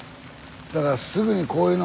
だからすぐにこういうのの。